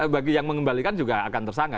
bagi yang mengembalikan juga akan tersangka